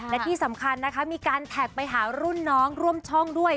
และที่สำคัญนะคะมีการแท็กไปหารุ่นน้องร่วมช่องด้วย